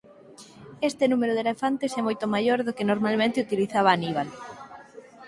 Este número de elefantes é moito maior do que normalmente utilizaba Aníbal.